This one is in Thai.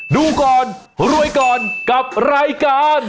ดูก่อนรวยก่อนกับรายการ